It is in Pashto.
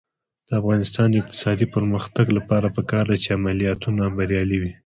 د افغانستان د اقتصادي پرمختګ لپاره پکار ده چې عملیاتونه بریالي وي.